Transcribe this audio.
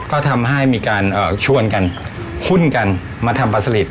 ก็ทำให้มีการชวนกันหุ้นกันมาทำปลาสลิด